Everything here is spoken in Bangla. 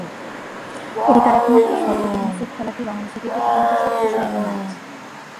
এটি তার একমাত্র শতক, এবং সেট খেলাটি বাংলাদেশের ক্রিকেট ইতিহাসের সবচেয়ে স্মরণীয় ম্যাচ।